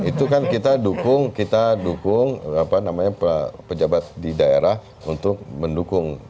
itu kan kita dukung kita dukung pejabat di daerah untuk mendukung